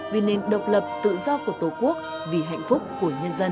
vì nền độc lập tự do của tổ quốc vì hạnh phúc của nhân dân